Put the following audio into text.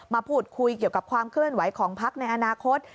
มาพูดคุยเกี่ยวกับความเคลื่อนไหวของพักในอนาคต